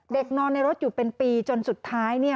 เด็กนอนในรถอยู่เป็นปีจนสุดท้าย